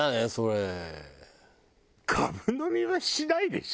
がぶ飲みはしないでしょ？